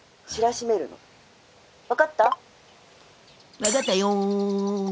分かったよん！